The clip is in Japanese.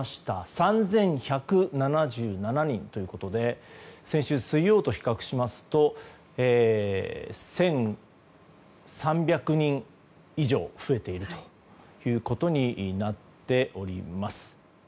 ３１７７人ということで先週水曜と比較しますと１３００人以上増えていることになっております。